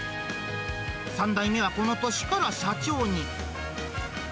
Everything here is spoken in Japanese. ３代目はこの年から社長に。